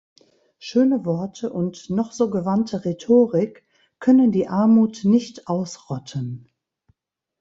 Schöne Worte und noch so gewandte Rhetorik können die Armut nicht ausrotten.